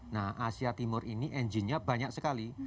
nah asia timur ini engine nya banyak sekali